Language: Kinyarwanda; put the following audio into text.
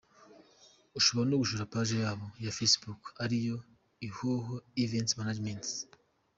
Ushobora no gusura paji yabo ya facebook ariyo : Ihoho Events Managements.